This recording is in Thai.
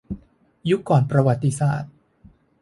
ยุคก่อนประวัติศาสตร์